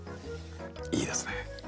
いいですね。